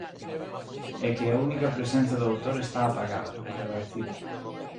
É que a única presenza do autor está apagada, esvaecida.